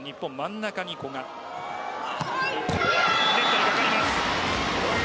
ネットに当たります。